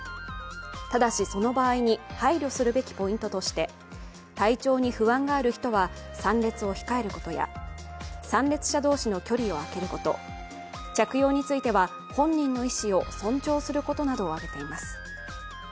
ただし、その場合に配慮するべきポイントとして体調に不安がある人は参列を控えることや参列者同士の距離をあけること、着用については本人の意思を尊重することなどをあげています。